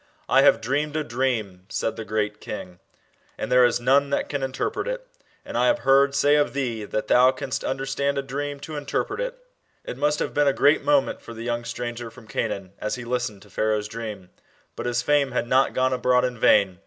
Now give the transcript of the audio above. " I have dreamed a dream," said the great king, " and there is none that can interpret it : and I have heard say of thee, that thou canst under stand a dream to interpret it." 1 See chapter 1. 14 JOSEPH'S WISDOM. [B.C. 1715. It must have been a great moment for the young stranger from Canaan as he listened to Pharaoh's dream, but his fame had not gone abroad in vain.